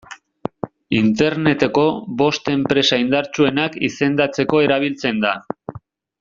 Interneteko bost enpresa indartsuenak izendatzeko erabiltzen da.